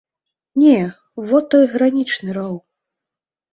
Не, во той гранічны роў.